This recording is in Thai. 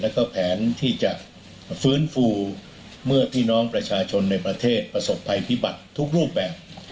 แล้วก็แผนที่จะฟื้นฟูเมื่อพี่น้องประชาชนในประเทศประสบภัยพิบัติทุกรูปแบบ